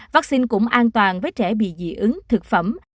vaccine cũng an toàn với trẻ bị dị ứng thực phẩm